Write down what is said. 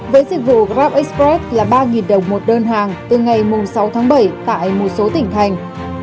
với dịch vụ grab express là ba đồng một đơn hàng từ ngày sáu tháng bảy tại một số tỉnh thành